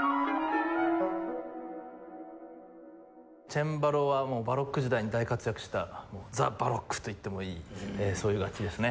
チェンバロはもうバロック時代に大活躍したザ・バロックと言ってもいいそういう楽器ですね。